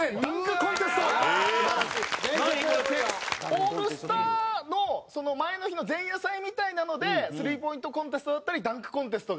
オールスターのその前の日の前夜祭みたいなのでスリーポイントコンテストだったりダンクコンテストがあって。